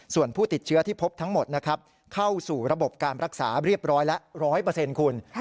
ส่วนผู้ติดเชื้อที่พบทั้งหมดนะครับเข้าสู่ระบบการรักษาเรียบร้อยละ๑๐๐คุณ